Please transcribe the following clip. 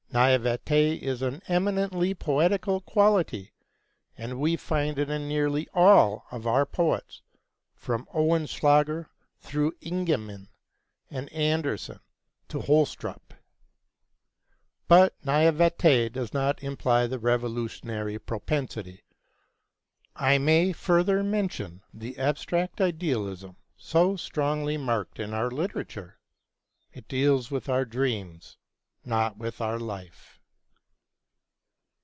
Naïveté is an eminently poetical quality, and we find it in nearly all of our poets, from Oehlenschläger through Ingemann and Andersen to Hostrup. But naïveté does not imply the revolutionary propensity. I may further mention the abstract idealism so strongly marked in our literature. It deals with our dreams, not with our life....